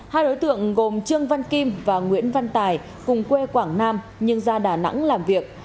hai đối tượng gồm trương văn kim và nguyễn văn tài cùng quê quảng nam nhưng ra đà nẵng làm việc